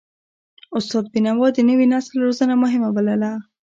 استاد بینوا د نوي نسل روزنه مهمه بلله.